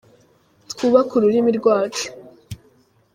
Twubake ururimi rwacu.